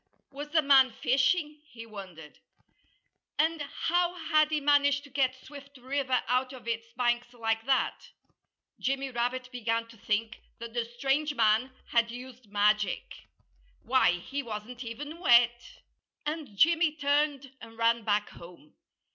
Was the man fishing? he wondered. And how had he managed to get Swift River out of its banks like that? Jimmy Rabbit began to think that the strange man had used magic. Why, he wasn't even wet! And Jimmy turned and ran back home.